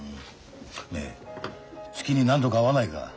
ねえ月に何度か会わないか？